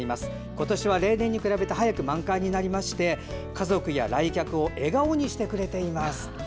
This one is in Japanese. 今年は例年に比べて早く満開になりまして家族や来客を笑顔にしてくれています。